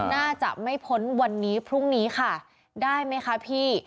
น่าจะไม่พ้นวันนี้พรุ่งนี้ค่ะได้ไหมคะพี่